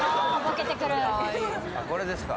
これですか？